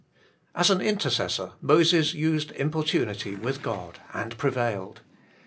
As an inter cessor Moses used importunity with God, and prevailed.